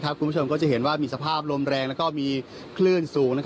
คุณผู้ชมก็จะเห็นว่ามีสภาพลมแรงและมีคลื่นสูง